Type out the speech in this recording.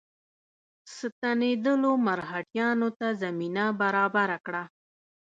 ستنېدلو مرهټیانو ته زمینه برابره کړه.